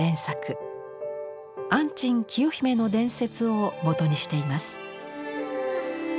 安珍・清姫の伝説をもとにしています。